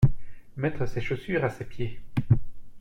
Mettre ses chaussures à ses pieds.